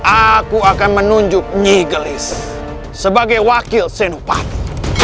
aku akan menunjuk nyigelis sebagai wakil senupati